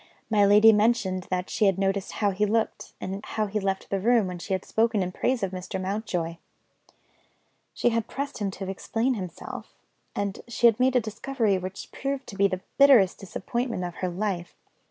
My lady mentioned that she had noticed how he looked, and how he left the room, when she had spoken in praise of Mr. Mountjoy. She had pressed him to explain himself and she had made a discovery which proved to be the bitterest disappointment of her life.